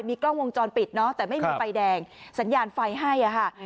กล้องวงจรปิดเนาะแต่ไม่มีไฟแดงสัญญาณไฟให้อ่ะค่ะ